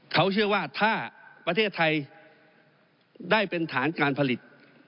เขาเชื่อว่าถ้าประเทศไทยได้เป็นฐานการผลิต